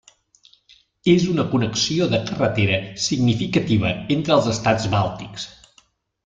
És una connexió de carretera significativa entre els estats bàltics.